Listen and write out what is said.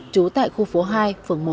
trú tại khu phố hai phường một